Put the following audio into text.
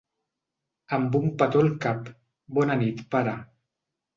Amb un petó al cap, bona nit pare.